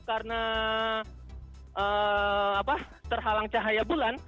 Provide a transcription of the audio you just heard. karena terhalang cahaya bulan